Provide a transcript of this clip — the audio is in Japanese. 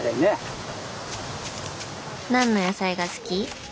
何の野菜が好き？